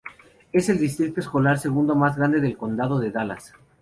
Es el distrito escolar segundo más grande del Condado de Dallas.